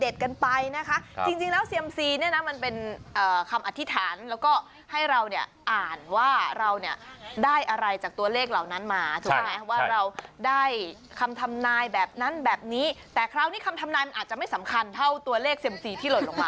ใช่ว่าเราได้คำทำนายแบบนั้นแบบนี้แต่คราวนี้คำทำนายมันอาจจะไม่สำคัญเท่าตัวเลขเซมสี่ที่หล่นลงมา